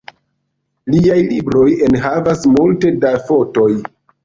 Liaj libroj enhavas multe da fotoj.